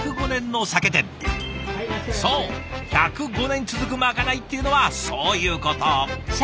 そう１０５年続くまかないっていうのはそういうこと。